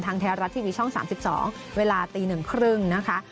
ไทยรัฐทีวีช่อง๓๒เวลาตี๑๓๐นะคะ